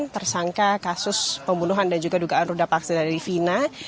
tersangka kasus pembunuhan dan juga dugaan ruda paksa dari fina